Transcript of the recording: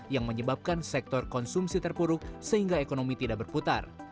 yang menyebabkan sektor konsumsi terpuruk sehingga ekonomi tidak berputar